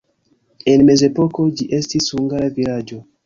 En mezepoko ĝi estis hungara vilaĝo.